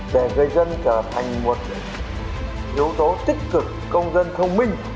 để người dân trở thành một yếu tố tích cực công dân thông minh